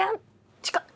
近っ！